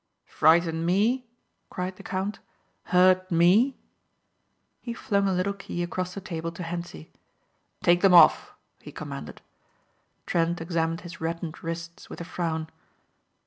"Frighten me!" cried the count, "Hurt me!" He flung a little key across the table to Hentzi. "Take them off," he commanded. Trent examined his reddened wrists with a frown.